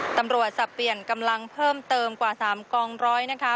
สับเปลี่ยนกำลังเพิ่มเติมกว่า๓กองร้อยนะคะ